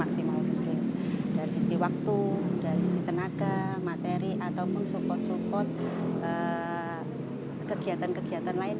maksimal mungkin dari sisi waktu dari sisi tenaga materi ataupun support support kegiatan kegiatan lain